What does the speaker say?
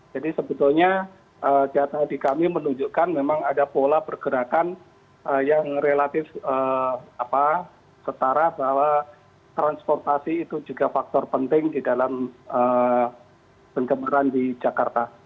sebetulnya data di kami menunjukkan memang ada pola pergerakan yang relatif setara bahwa transportasi itu juga faktor penting di dalam pencemaran di jakarta